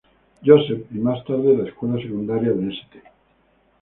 Joseph y más tarde la escuela secundaria de St.